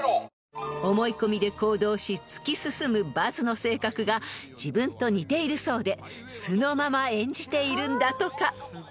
［思い込みで行動し突き進むバズの性格が自分と似ているそうで素のまま演じているんだとか］